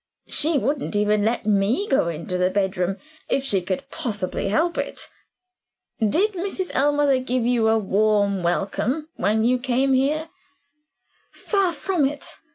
She wouldn't even let me go into the bedroom, if she could possibly help it. Did Mrs. Ellmother give you a warm welcome when you came here?" "Far from it.